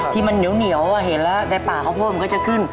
ที่มันเหนียวเห็นแล้วในป่าข้าวโพดมันก็จะขึ้น